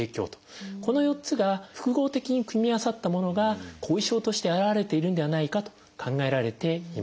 この４つが複合的に組み合わさったものが後遺症として現れているんではないかと考えられています。